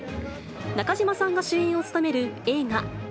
中島さんが主演を務める映画、＃